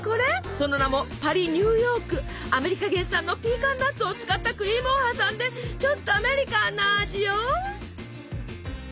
その名もアメリカ原産のピーカンナッツを使ったクリームを挟んでちょっとアメリカンな味よ。